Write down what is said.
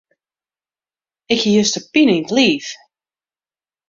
Ik hie juster pine yn 't liif.